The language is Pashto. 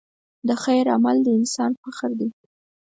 د خیر عمل د انسان فخر دی.